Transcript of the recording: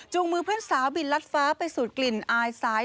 มือเพื่อนสาวบินรัดฟ้าไปสูดกลิ่นอายสาย